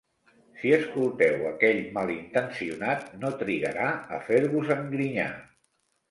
Si escolteu aquell malintencionat no trigarà a fer-vos engrinyar.